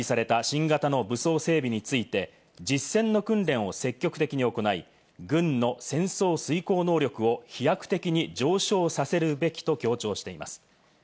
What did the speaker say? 配備された新型の武装整備について、実践の訓練を積極的に行い、軍の戦争遂行能力を飛躍的に上昇させるべきと強調しています。